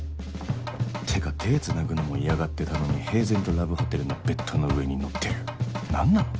ってか手つなぐのも嫌がってたのに平然とラブホテルのベッドの上に乗ってる何なの？